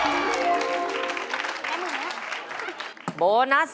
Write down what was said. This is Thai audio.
หนึ่งหมาย